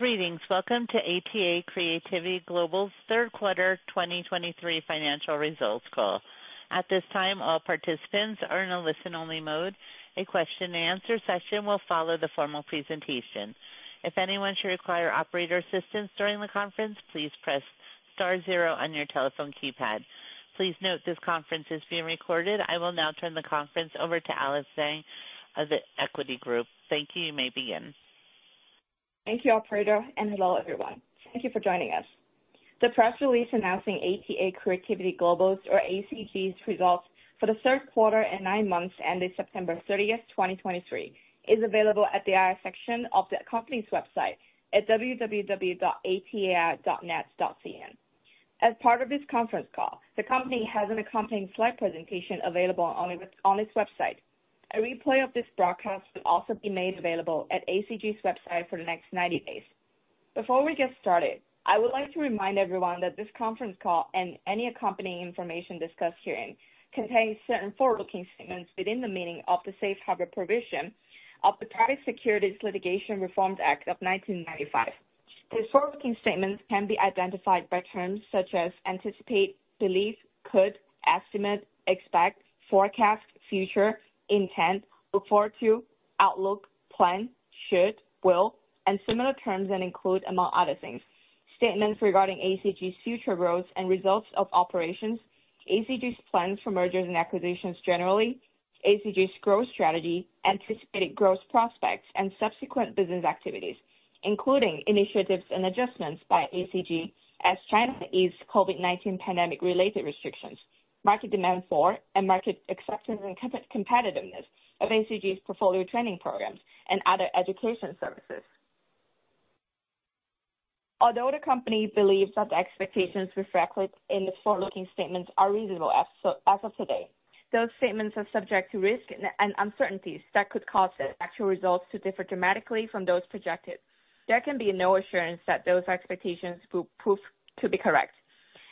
Greetings. Welcome to ATA Creativity Global's third quarter 2023 financial results call. At this time, all participants are in a listen-only mode. A question and answer session will follow the formal presentation. If anyone should require operator assistance during the conference, please press star zero on your telephone keypad. Please note this conference is being recorded. I will now turn the conference over to Alice Zhang of The Equity Group. Thank you. You may begin. Thank you, operator, and hello, everyone. Thank you for joining us. The press release announcing ATA Creativity Global's or ACG's results for the third quarter and 9 months ended September 30, 2023, is available at the IR section of the company's website at www.ata.net.cn. As part of this conference call, the company has an accompanying slide presentation available on its website. A replay of this broadcast will also be made available at ACG's website for the next 90 days. Before we get started, I would like to remind everyone that this conference call and any accompanying information discussed herein contains certain forward-looking statements within the meaning of the Safe Harbor provision of the Private Securities Litigation Reform Act of 1995. These forward-looking statements can be identified by terms such as anticipate, believe, could, estimate, expect, forecast, future, intent, look forward to, outlook, plan, should, will, and similar terms, and include, among other things, statements regarding ACG's future growth and results of operations, ACG's plans for mergers and acquisitions generally, ACG's growth strategy, anticipated growth prospects and subsequent business activities, including initiatives and adjustments by ACG as China eases COVID-19 pandemic-related restrictions, market demand for and market acceptance and competitiveness of ACG's portfolio training programs and other education services. Although the company believes that the expectations reflected in the forward-looking statements are reasonable as of today, those statements are subject to risks and uncertainties that could cause the actual results to differ dramatically from those projected. There can be no assurance that those expectations will prove to be correct.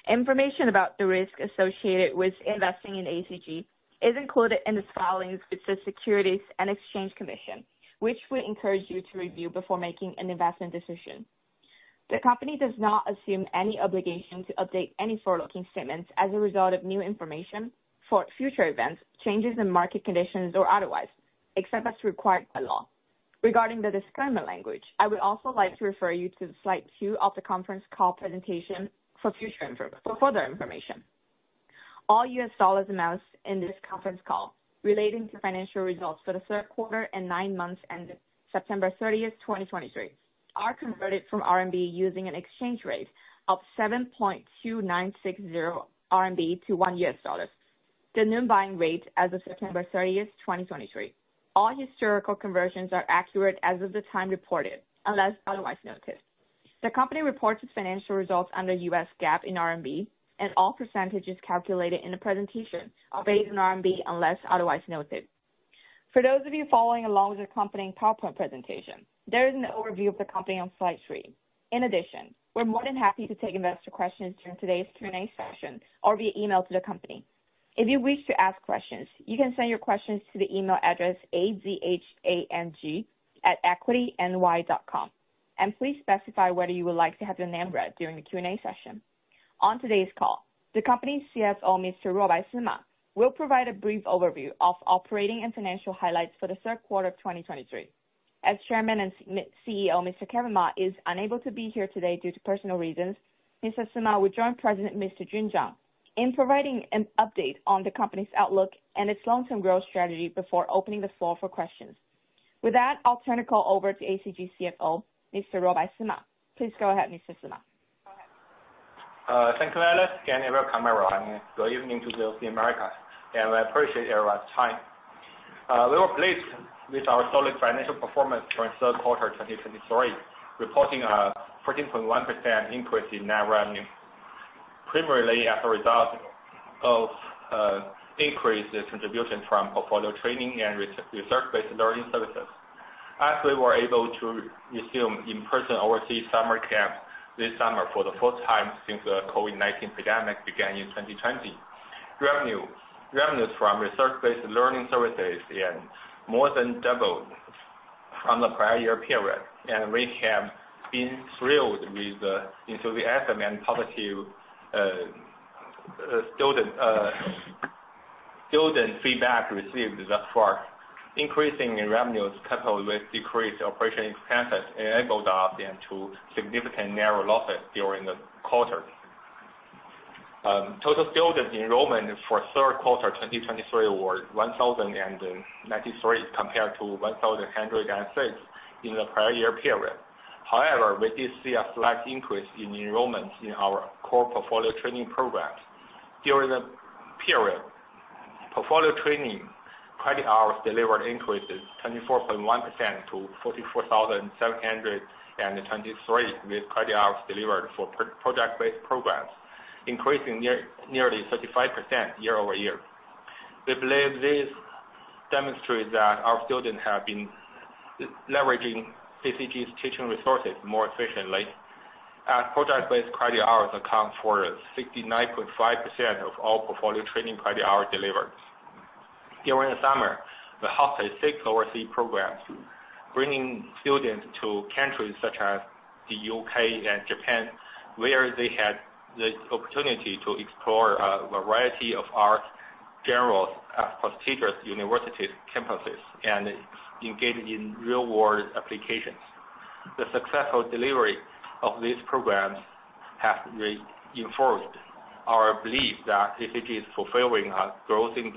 Information about the risks associated with investing in ACG is included in the filings with the Securities and Exchange Commission, which we encourage you to review before making an investment decision. The company does not assume any obligation to update any forward-looking statements as a result of new information, for future events, changes in market conditions or otherwise, except as required by law. Regarding the disclaimer language, I would also like to refer you to slide 2 of the conference call presentation for future information, for further information. All U.S. dollar amounts in this conference call relating to financial results for the third quarter and nine months ended September 30th, 2023, are converted from RMB using an exchange rate of 7.2960 RMB to 1 U.S. dollar, the noon buying rate as of September 30th, 2023. All historical conversions are accurate as of the time reported, unless otherwise noted. The company reports its financial results under US GAAP in RMB, and all percentages calculated in the presentation are based on RMB, unless otherwise noted. For those of you following along with the accompanying PowerPoint presentation, there is an overview of the company on slide 3. In addition, we're more than happy to take investor questions during today's Q&A session or via email to the company. If you wish to ask questions, you can send your questions to the email address, azhang@equityny.com, and please specify whether you would like to have your name read during the Q&A session. On today's call, the company's CFO, Mr. Ruobai Sima, will provide a brief overview of operating and financial highlights for the third quarter of 2023. As Chairman and CEO, Mr. Kevin Ma is unable to be here today due to personal reasons. Mr. Sima will join President Mr. Jun Zhang in providing an update on the company's outlook and its long-term growth strategy before opening the floor for questions. With that, I'll turn the call over to ACG CFO, Mr. Ruobai Sima. Please go ahead, Mr. Sima. Go ahead. Thank you, Alice. Again, welcome everyone. Good evening to those in America, and I appreciate everyone's time. We were pleased with our solid financial performance for the third quarter 2023, reporting a 13.1% increase in net revenue. Primarily as a result of increased contribution from portfolio training and research-based learning services, as we were able to resume in-person overseas summer camp this summer for the first time since the COVID-19 pandemic began in 2020. Revenues from research-based learning services again more than doubled from the prior year period, and we have been thrilled with the enthusiasm and positive student feedback received thus far. Increasing revenues, coupled with decreased operational expenses, enabled us to significantly narrow losses during the quarter. Total student enrollment for third quarter 2023 were 1,093, compared to 1,106 in the prior year period. However, we did see a slight increase in enrollments in our core portfolio training programs. During the period, portfolio training credit hours delivered increase 24.1% to 44,723, with credit hours delivered for project-based programs increasing nearly 35% year-over-year. We believe this demonstrates that our students have been leveraging ACG's teaching resources more efficiently. Project-based credit hours account for 69.5% of all portfolio training credit hours delivered. During the summer, we hosted 6 overseas programs, bringing students to countries such as the UK and Japan, where they had the opportunity to explore a variety of art genres at prestigious university campuses and engaging in real-world applications. The successful delivery of these programs have reinforced our belief that ACG is fulfilling a growing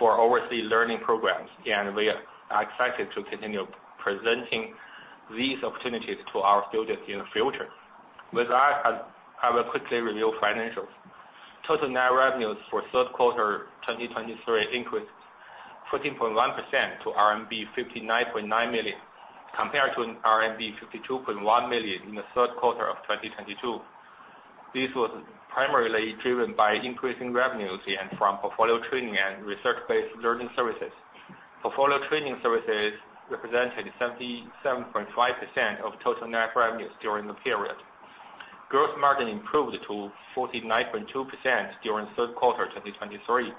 demand for overseas learning programs, and we are excited to continue presenting these opportunities to our students in the future. With that, I'll quickly review financials. Total net revenues for third quarter 2023 increased 14.1% to RMB 59.9 million, compared to RMB 52.1 million in the third quarter of 2022. This was primarily driven by increasing revenues from portfolio training and research-based learning services. Portfolio training services represented 77.5% of total net revenues during the period. Gross margin improved to 49.2% during third quarter 2023,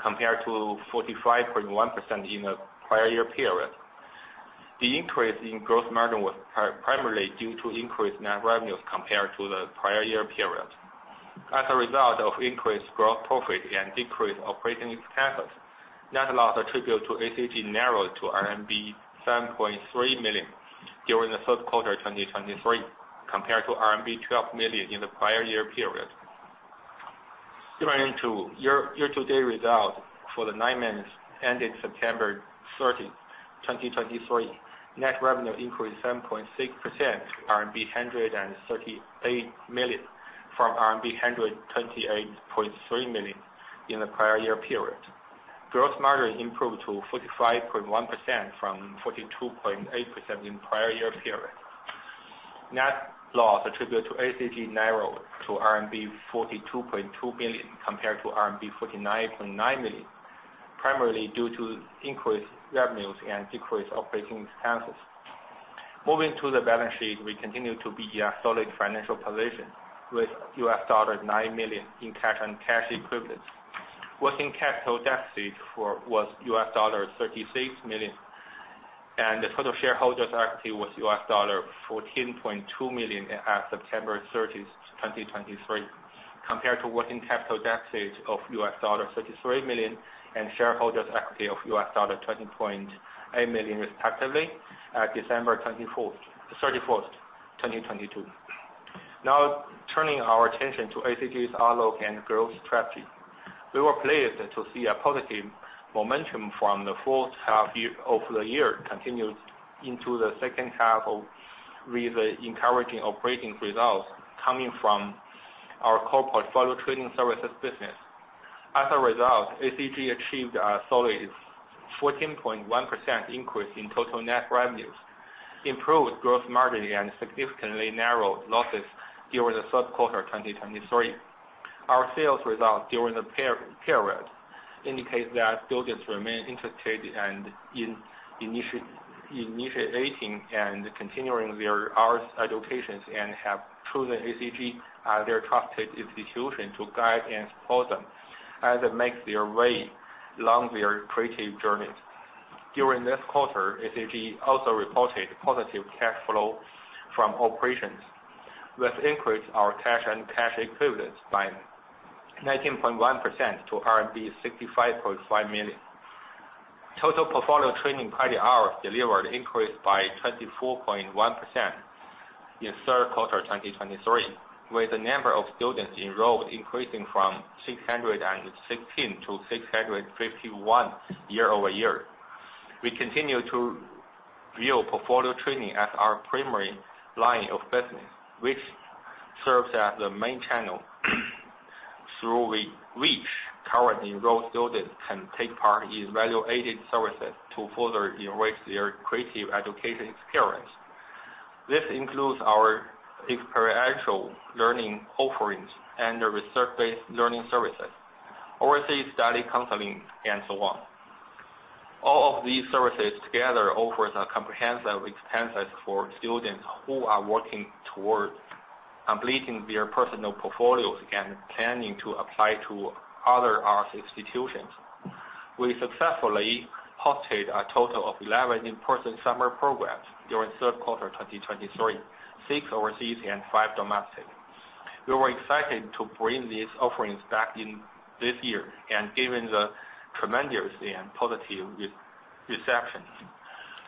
compared to 45.1% in the prior year period. The increase in gross margin was primarily due to increased net revenues compared to the prior year period. As a result of increased gross profit and decreased operating expenses, net loss attributed to ACG narrowed to RMB 7.3 million during the third quarter 2023, compared to RMB 12 million in the prior year period. Year-to-date results for the nine months ended September 30, 2023, net revenue increased 7.6%, RMB 138 million, from RMB 128.3 million in the prior year period. Gross margin improved to 45.1% from 42.8% in prior year period. Net loss attributed to ACG narrowed to RMB 42.2 million, compared to RMB 49.9 million, primarily due to increased revenues and decreased operating expenses. Moving to the balance sheet, we continue to be a solid financial position with $9 million in cash and cash equivalents. Working capital deficit was $36 million, and the total shareholders' equity was $14.2 million at September 30, 2023, compared to working capital deficit of $33 million and shareholders' equity of $20.8 million respectively, at December 31, 2022. Now, turning our attention to ACG's outlook and growth strategy. We were pleased to see a positive momentum from the first half of the year continued into the second half of the year, with the encouraging operating results coming from our core portfolio training services business. As a result, ACG achieved a solid 14.1% increase in total net revenues, improved gross margin, and significantly narrowed losses during the third quarter of 2023. Our sales results during the period indicates that students remain interested and initiating and continuing their arts educations, and have chosen ACG as their trusted institution to guide and support them as they make their way along their creative journeys. During this quarter, ACG also reported positive cash flow from operations, which increased our cash and cash equivalents by 19.1% to RMB 65.5 million. Total portfolio training credit hours delivered increased by 24.1% in third quarter 2023, with the number of students enrolled increasing from 616 to 651 year-over-year. We continue to view portfolio training as our primary line of business, which serves as the main channel, through which currently enrolled students can take part in value-added services to further enrich their creative education experience. This includes our experiential learning offerings and the research-based learning services, overseas study counseling, and so on. All of these services together offers a comprehensive experience for students who are working towards completing their personal portfolios and planning to apply to other arts institutions. We successfully hosted a total of 11 in-person summer programs during third quarter 2023, 6 overseas and 5 domestic. We were excited to bring these offerings back in this year, and given the tremendous and positive reception,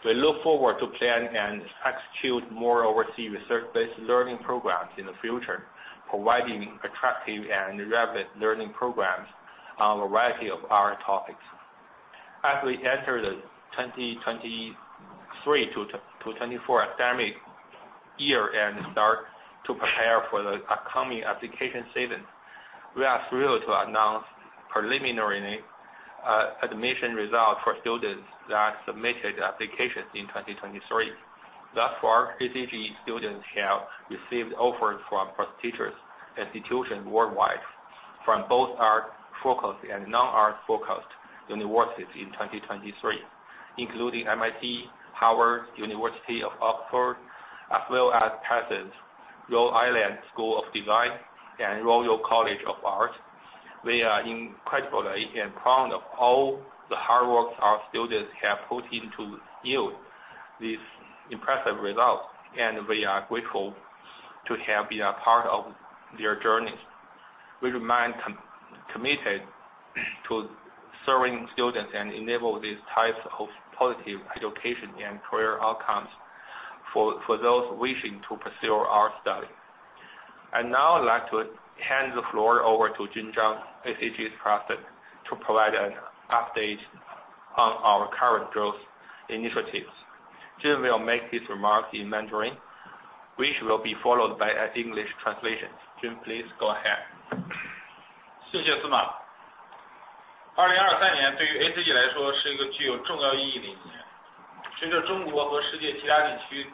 we look forward to plan and execute more overseas research-based learning programs in the future, providing attractive and relevant learning programs on a variety of art topics. As we enter the 2023-2024 academic year and start to prepare for the upcoming application season, we are thrilled to announce preliminary admission results for students that submitted applications in 2023. Thus far, ACG students have received offers from prestigious institutions worldwide. ...from both art focused and non-art focused universities in 2023, including MIT, Harvard, University of Oxford, as well as Rhode Island School of Design and Royal College of Art. We are incredibly proud of all the hard work our students have put in to yield these impressive results, and we are grateful to have been a part of their journey. We remain committed to serving students and enable these types of positive education and career outcomes for those wishing to pursue overseas study. I'd now like to hand the floor over to Jun Zhang, ACG's President, to provide an update on our current growth initiatives. Jun will make his remarks in Mandarin, which will be followed by an English translation. Jun, please go ahead. Thank you, Sima. 2023, for ACG, is a year with important significance. As China and other regions of the world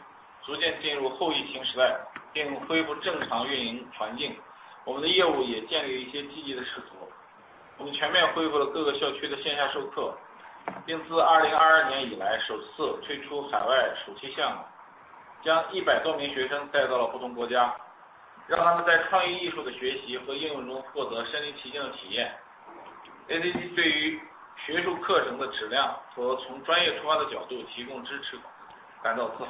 gradually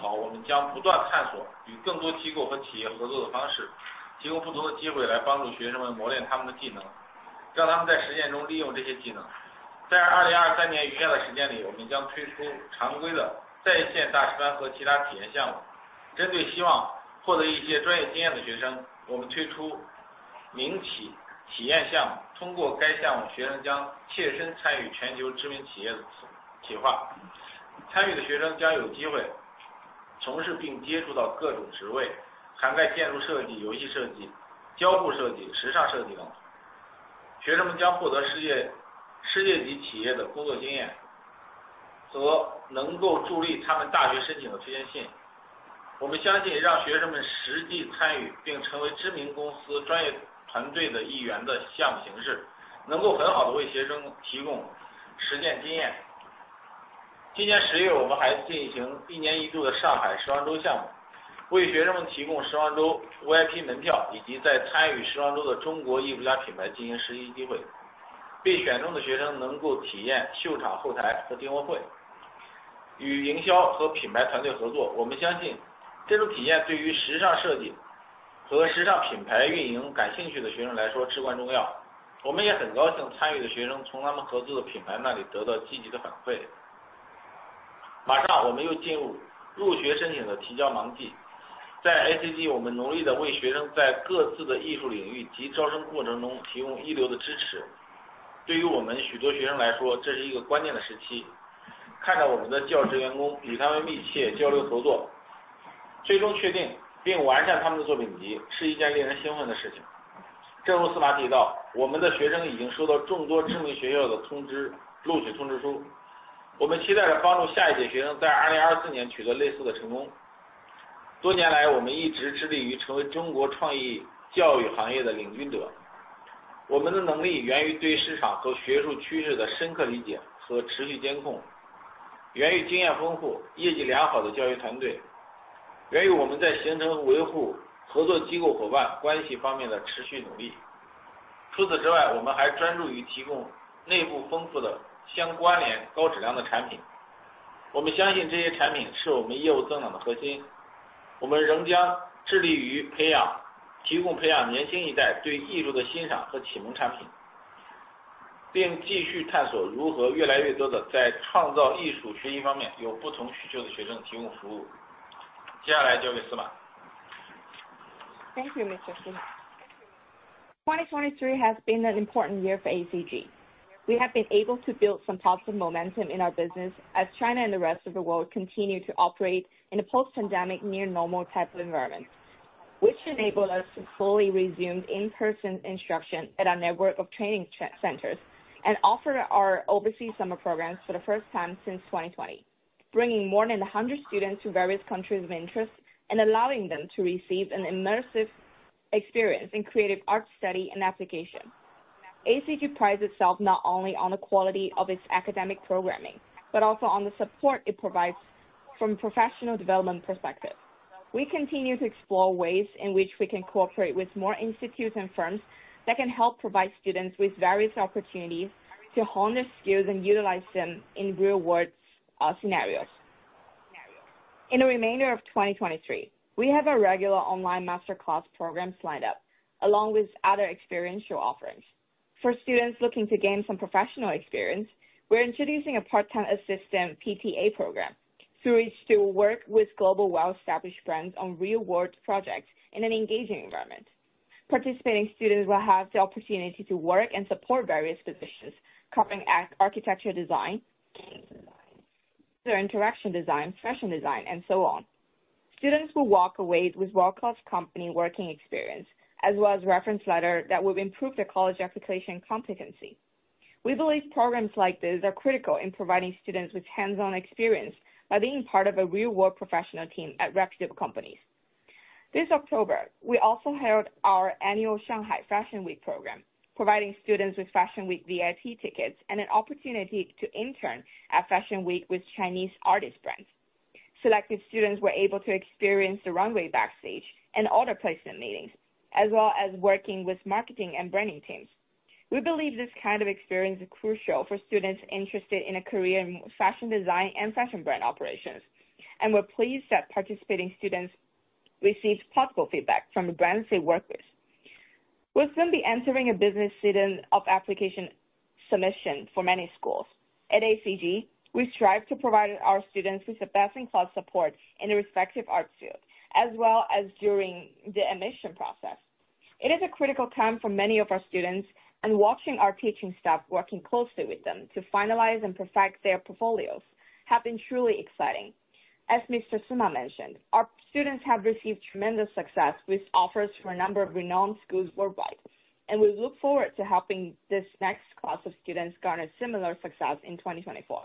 enter We have been able to build some positive momentum in our business as China and the rest of the world continue to operate in a post-pandemic near-normal type of environment, which enabled us to fully resume in-person instruction at our network of training centers and offer our overseas summer programs for the first time since 2020, bringing more than 100 students to various countries of interest and allowing them to receive an immersive experience in creative arts study and application. ACG prides itself not only on the quality of its academic programming, but also on the support it provides from professional development perspective. We continue to explore ways in which we can cooperate with more institutes and firms that can help provide students with various opportunities to hone their skills and utilize them in real world scenarios. In the remainder of 2023, we have a regular online masterclass program lined up along with other experiential offerings. For students looking to gain some professional experience, we're introducing a part-time assistant PTA program, through which to work with global well-established brands on real world projects in an engaging environment. Participating students will have the opportunity to work and support various positions, covering architecture, design, game design, interaction design, fashion design, and so on. Students will walk away with world-class company working experience, as well as reference letter that will improve their college application competency. We believe programs like this are critical in providing students with hands-on experience by being part of a real-world professional team at reputable companies. This October, we also held our annual Shanghai Fashion Week program, providing students with Fashion Week VIP tickets and an opportunity to intern at Fashion Week with Chinese artist brands. Selected students were able to experience the runway backstage and order placement meetings, as well as working with marketing and branding teams. We believe this kind of experience is crucial for students interested in a career in fashion design and fashion brand operations, and we're pleased that participating students received positive feedback from the brands they worked with. We're soon be entering a business season of application submission for many schools. At ACG, we strive to provide our students with the best-in-class support in their respective art field, as well as during the admission process. It is a critical time for many of our students, and watching our teaching staff working closely with them to finalize and perfect their portfolios have been truly exciting. As Mr. Sima mentioned, our students have received tremendous success with offers from a number of renowned schools worldwide, and we look forward to helping this next class of students garner similar success in 2024.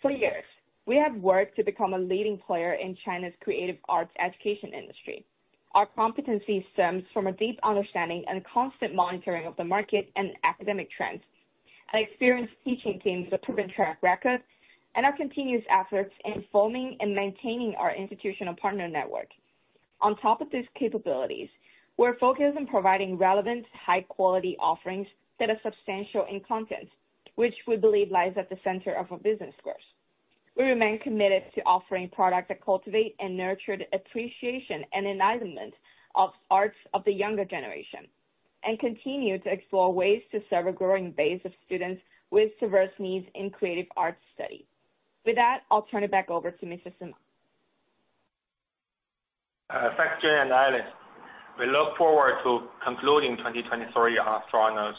For years, we have worked to become a leading player in China's creative arts education industry. Our competency stems from a deep understanding and constant monitoring of the market and academic trends, an experienced teaching team with a proven track record, and our continuous efforts in forming and maintaining our institutional partner network. On top of these capabilities, we're focused on providing relevant, high-quality offerings that are substantial in content, which we believe lies at the center of our business growth. We remain committed to offering products that cultivate and nurture the appreciation and enlightenment of arts of the younger generation, and continue to explore ways to serve a growing base of students with diverse needs in creative arts study. With that, I'll turn it back over to Mr. Sima. Thanks, Jun and Alice. We look forward to concluding 2023 on a strong note.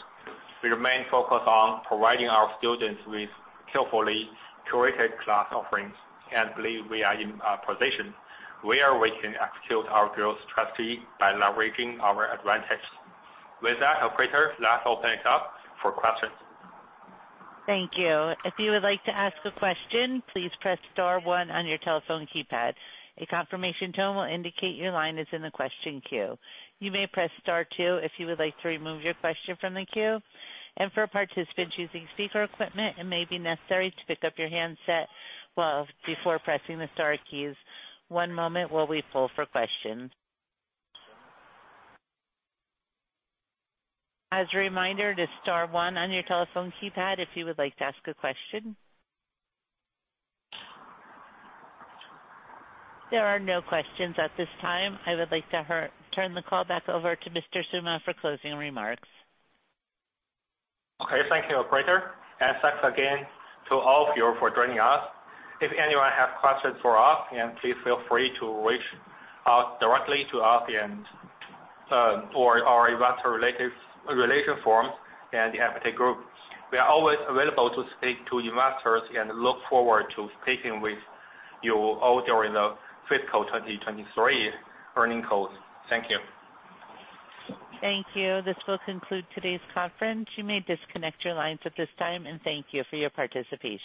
We remain focused on providing our students with carefully curated class offerings and believe we are in a position where we can execute our growth strategy by leveraging our advantages. With that, operator, let's open it up for questions. Thank you. If you would like to ask a question, please press star one on your telephone keypad. A confirmation tone will indicate your line is in the question queue. You may press star two if you would like to remove your question from the queue. For participants using speaker equipment, it may be necessary to pick up your handset well before pressing the star keys. One moment while we pull for questions. As a reminder, it is star one on your telephone keypad if you would like to ask a question. There are no questions at this time. I would like to turn the call back over to Mr. Sima for closing remarks. Okay, thank you, operator, and thanks again to all of you for joining us. If anyone has questions for us, please feel free to reach out directly to us and, or our investor relations firm and The Equity Group. We are always available to speak to investors, and look forward to speaking with you all during the fiscal 2023 earnings calls. Thank you. Thank you. This will conclude today's conference. You may disconnect your lines at this time, and thank you for your participation.